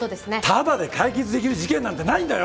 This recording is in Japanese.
タダで解決できる事件なんてないんだよ！